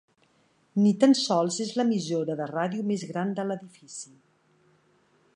Ni tan sols és l'emissora de ràdio més gran de l'edifici.